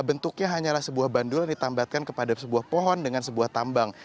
bentuknya hanyalah sebuah bandul yang ditambatkan kepada sebuah pohon dengan sebuah tambang